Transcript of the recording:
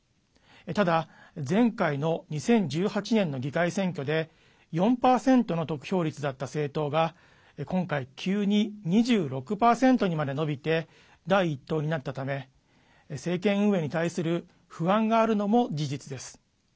ただ、前回の２０１８年の議会選挙で４％の得票率だった政党が今回、急に２６％にまで伸びて第１党になったため政権運営に対する不安があるのも事実です。